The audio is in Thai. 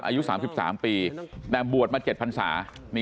อายุ๓๓ปีแต่บวชมา๗พันศา